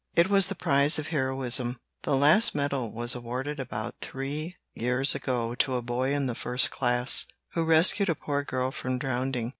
It was the prize of heroism. The last medal was awarded about three years ago to a boy in the first class, who rescued a poor girl from drowning.